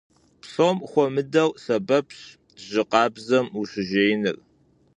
Псом хуэмыдэу сэбэпщ жьы къабзэм ущыжеиныр.